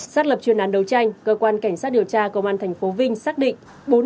xác lập truyền án đấu tranh cơ quan cảnh sát điều tra công an thành phố vinh xác định